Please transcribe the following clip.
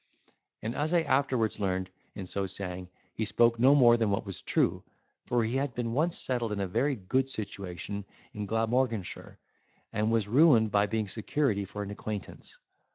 And as I afterwards learned, in so saying, he spoke no more than what was true; for he had been once settled in a very good situation in Glamorganshire, and was ruined by being security for an acquaintance.